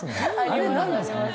あれ何なんですかね？